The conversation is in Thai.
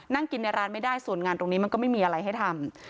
นั่งกินในร้านไม่ได้ส่วนงานตรงนี้มันก็ไม่มีอะไรให้ทำ